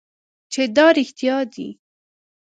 چې دا رښتیا دي .